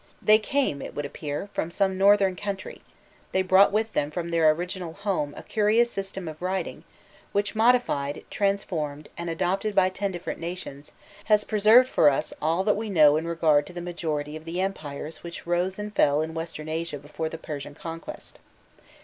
* They came, it would appear, from some northern country; they brought with them from their original home a curious system of writing, which, modified, transformed, and adopted by ten different nations, has preserved for us all that we know in regard to the majority of the empires which rose and fell in Western Asia before the Persian conquest.